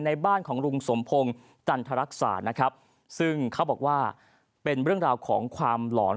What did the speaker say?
ในบ้านของลุงสมพงศ์จันทรรักษานะครับซึ่งเขาบอกว่าเป็นเรื่องราวของความหลอน